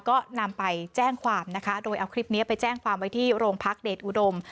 ก็นำไปแจ้งความนะคะโดยเอาคลิปนี้ไปแจ้งความไว้ที่โรงพักเดชอุดม